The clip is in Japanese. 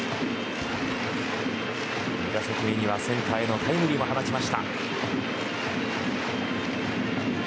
２打席目にはセンターへのタイムリーも放ちました。